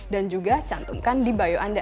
dan juga cantumkan di bio anda